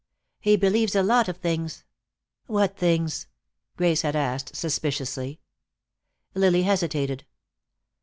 He believes a lot of things " "What things?" Grace had asked, suspiciously. Lily hesitated.